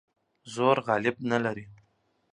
زور غالب نه لري.